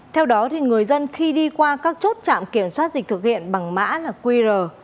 theo đó người dân khi đi qua các chốt trạm kiểm soát dịch thực hiện bằng mã qr